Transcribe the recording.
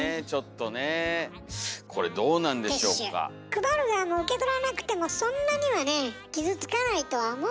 配る側も受け取らなくてもそんなにはね傷つかないとは思うんだけどね。